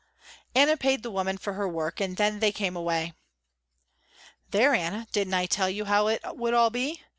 Anna paid the woman for her work and then they came away. "There Anna didn't I tell you how it would all be?